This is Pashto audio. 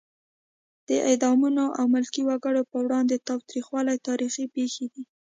د اعدامونو او ملکي وګړو پر وړاندې تاوتریخوالی تاریخي پېښې دي.